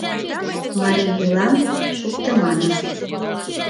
Марий йӱлам шуктыманак.